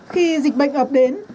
khi dịch bệnh ập đến